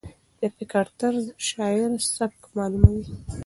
د فکر طرز د شاعر سبک معلوموي.